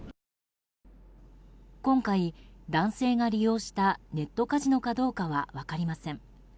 今回、男性が利用したネットカジノかどうかは分かりません。